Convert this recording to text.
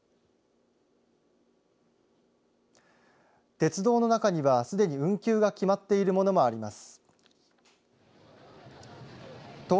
鉄道の中にはすでに運休が決まっているものもあります。